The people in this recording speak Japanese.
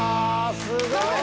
すごい！